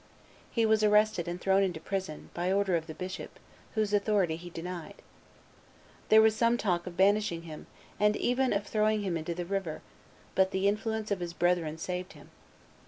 He was arrested and thrown into prison, by order of the bishop, whose authority he denied. There was some talk of banishing him, and even of throwing him into the river; but the influence of his brethren saved him.